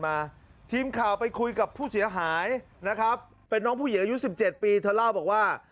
ไม่เป็นไรค่ะสวัสดีค่ะ